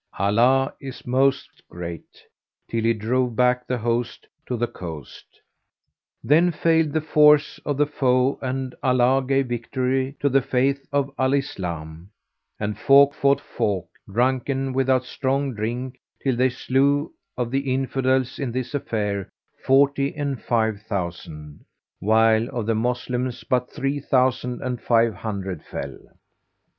(Allah is Most Great) till he drove back the host to the coast. Then failed the force of the foe and Allah gave victory to the faith of Al Islam, and folk fought folk, drunken without strong drink till they slew of the Infidels in this affair forty and five thousand, while of the Moslems but three thousand and five hundred fell.